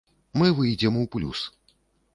Мы выйдзем у плюс.